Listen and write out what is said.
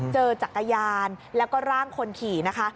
เจอจักรยานแล้วก็ร่างคนขี่นะคะ